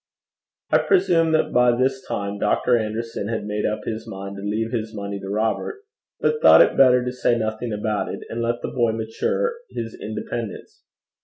I presume that by this time Doctor Anderson had made up his mind to leave his money to Robert, but thought it better to say nothing about it, and let the boy mature his independence.